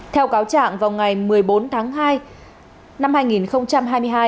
theo cáo trạng vào ngày một mươi bốn tháng hai năm hai nghìn hai mươi hai